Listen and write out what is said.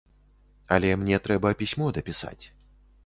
Але мне трэба пісьмо дапісаць.